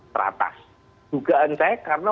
teratas dugaan saya karena